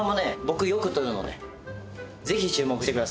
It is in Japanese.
僕よく取るのでぜひ注目してください。